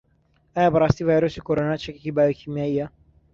ئایا بەڕاستی ڤایرۆسی کۆرۆنا چەکێکی بایۆکیمیایییە؟